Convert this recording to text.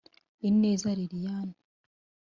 Ineza Liliane